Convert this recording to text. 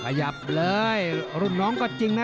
ขยับเลยรุ่นน้องก็จริงนะ